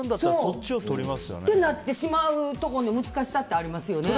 ってなってしまうところの難しさがありますね。